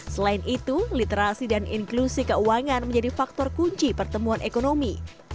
selain itu literasi dan inklusi keuangan menjadi faktor kunci pertemuan ekonomi